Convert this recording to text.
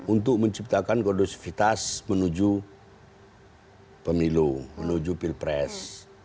untuk menciptakan kondusivitas menuju pemilu menuju pilpres